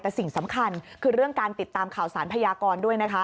แต่สิ่งสำคัญคือเรื่องการติดตามข่าวสารพยากรด้วยนะคะ